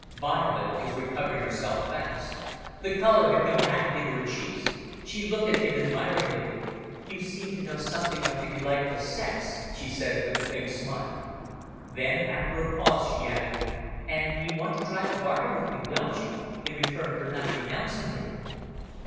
Violet was recovering herself fast. The colour had come back into her cheeks. She looked at him admiringly. "You seem to know something of my delightful sex," she said, with a faint smile. Then, after a pause, she added, "And you want to drive a bargain with me, don't you, in return for not denouncing me?"